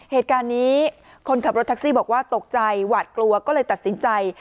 เหตุการณ์นี้คนขับรถแท็กซี่บอกว่าตกใจหวาดกลัวก็เลยตัดสินใจ